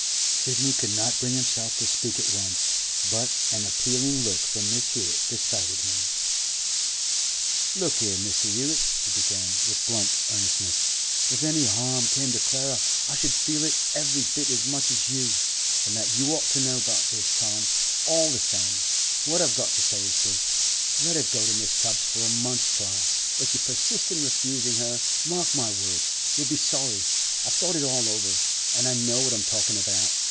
Sidney could not bring himself to speak at once, but an appealing look from Mrs. Hewett decided him. 'Look here, Mr. Hewett,' he began, with blunt earnestness. If any harm came to Clara I should feel it every bit as much as you, and that you ought to know by this time. All the same, what I've got to say is this: Let her go to Mrs. Tubbs for a month's trial. If you persist in refusing her, mark my words, you'll be sorry. I've thought it all over, and I know what I'm talking about.